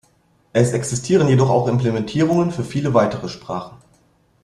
Es existieren jedoch auch Implementierungen für viele weitere Sprachen.